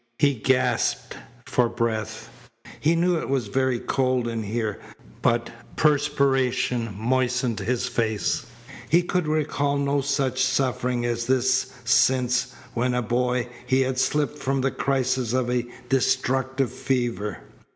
He gasped for breath. He knew it was very cold in here, but perspiration moistened his face. He could recall no such suffering as this since, when a boy, he had slipped from the crisis of a destructive fever.